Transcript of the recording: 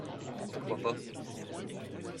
Pourquoi pas ?